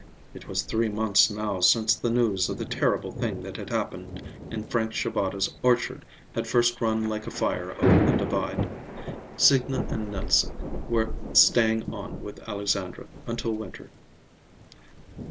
It was three months now since the news of the terrible thing that had happened in Frank Shabata's orchard had first run like a fire over the Divide. Signa and Nelse were staying on with Alexandra until winter.